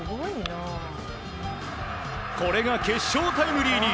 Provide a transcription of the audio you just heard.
これが決勝タイムリーに。